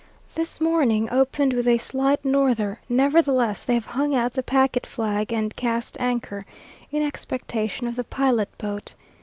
This morning opened with a slight norther; nevertheless they have hung out the packet flag and cast anchor, in expectation of the pilot boat.